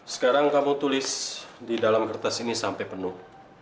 sekarang kamu tulis di dalam kertas ini sampai penuh